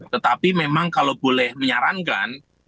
tetapi memang kalau boleh menyarankan